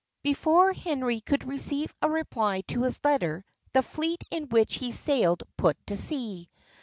Before Henry could receive a reply to his letter, the fleet in which he sailed put to sea.